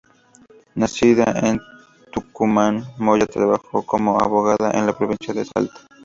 Nacida en Tucumán, Moya trabajó como abogada en la provincia de Salta.